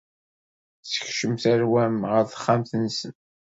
Sekcem tarwa-m ɣer texxamt-nsen.